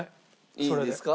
いいですか？